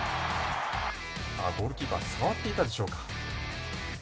ゴールキーパー触っていたでしょうか。